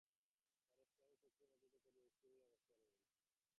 পরেশবাবু চক্ষু মুদ্রিত করিয়া স্থির হইয়া বসিয়া রহিলেন।